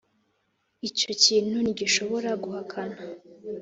icyo kintu ntigishobora guhakana.